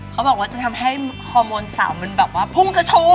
เขาบอกว่าจะทำให้ฮอร์โมนสาวมันแบบว่าพุ่งกระโชว์